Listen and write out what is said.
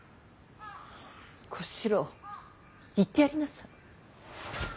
小四郎言ってやりなさい。